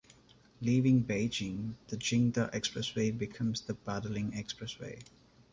Leaving Beijing, the Jingda Expressway becomes the Badaling Expressway.